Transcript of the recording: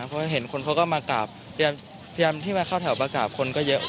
เพราะเห็นคนเขาก็มากราบพยายามที่มาเข้าแถวมากราบคนก็เยอะ